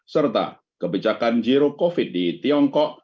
serta kebijakan zero covid di tiongkok